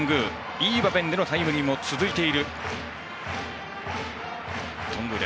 いい場面でのタイムリーも続いている。